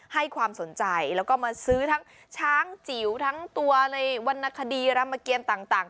ให้ความสนใจแล้วก็มาซื้อทั้งช้างจิ๋วทั้งตัวในวรรณคดีรำเกียรต่าง